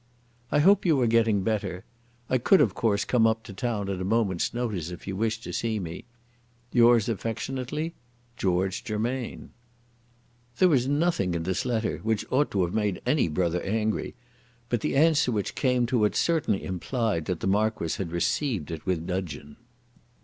"I hope you are getting better. I could of course come up to town at a moment's notice, if you wished to see me. "Yours affectionately, "GEORGE GERMAIN." There was nothing in this letter which ought to have made any brother angry, but the answer which came to it certainly implied that the Marquis had received it with dudgeon.